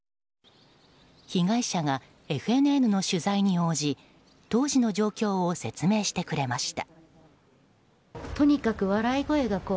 被害者がＦＮＮの取材に応じ当時の状況を説明してくれました。